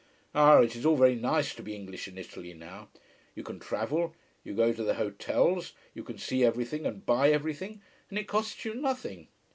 Ah, it is all very nice to be English in Italy now. You can travel, you go to the hotels, you can see everything and buy everything, and it costs you nothing.